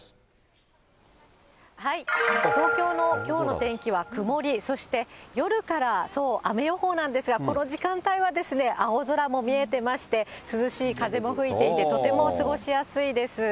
東京のきょうの天気は曇り、そして夜からそう、雨予報なんですが、この時間帯はですね、青空も見えてまして、涼しい風も吹いていて、とても過ごしやすいです。